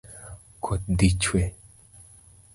Koth dhi chwe